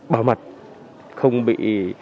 bảo mật không bị